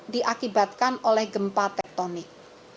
diakibatkan oleh gempa tektonik